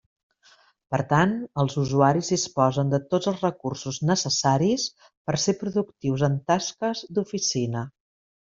Per tant, els usuaris disposen de tots els recursos necessaris per ser productius en tasques d'oficina.